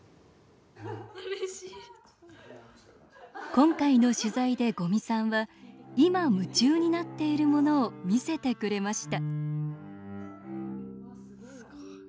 今回の取材で五味さんは今、夢中になっているものを見せてくれました